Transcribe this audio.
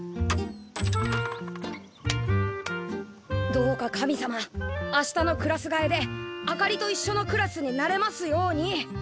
どうか神様明日のクラスがえであかりといっしょのクラスになれますように。